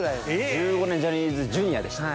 １５年ジャニーズＪｒ．でした。